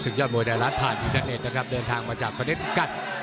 สิบยอดมวยไทยรัฐผ่านทิศเทศนะครับเดินทางมาจากประเทศกรรม